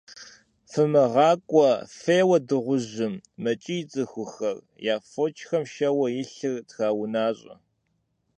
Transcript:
- ФымыгъакӀуэ, феуэ дыгъужьым! - мэкӀий цӀыхухэр, я фочхэм шэуэ илъыр траунащӀэ.